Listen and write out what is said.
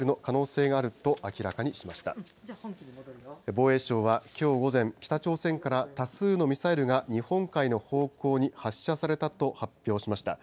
防衛省は、きょう午前、北朝鮮から多数のミサイルが日本海の方向に発射されたと発表しました。